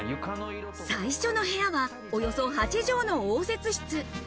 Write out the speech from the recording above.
最初の部屋はおよそ８畳の応接室。